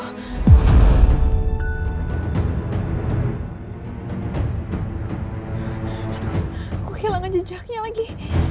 aku kehilangan jejaknya lagi